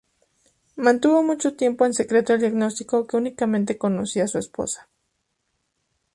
Mantuvo mucho tiempo en secreto el diagnóstico, que únicamente conocía su esposa.